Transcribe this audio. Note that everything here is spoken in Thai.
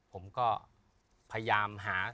ผมก็พยายามหา